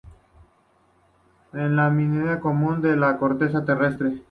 Es el mineral más común de la corteza terrestre.